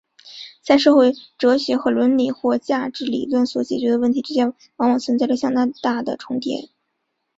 在社会哲学和伦理或价值理论所解决的问题之间往往存在着相当大的重叠。